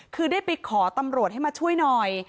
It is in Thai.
คือได้ไปขอตำรวจให้มาช่วยหน่อย